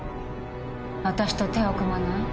あたしと手を組まない？